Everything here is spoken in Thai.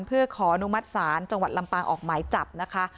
เพื่อขออนุมัติศาลจังหวัดลำปางออกหมายจับนะคะ